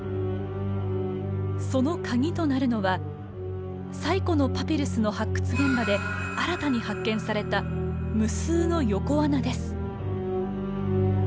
そのカギとなるのは最古のパピルスの発掘現場で新たに発見された無数の横穴です。